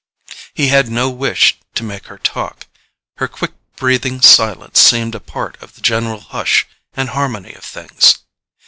He had no wish to make her talk; her quick breathing silence seemed a part of the general hush and harmony of things.